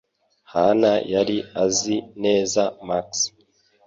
Hana yari azi neza Max